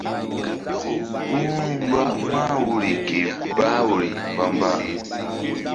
Ku ru̧ mba mah woyri ke bah woyri mba-mba.